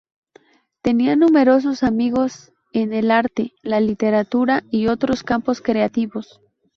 Tenía numerosos amigos en el arte, la literatura, y otros campos creativos.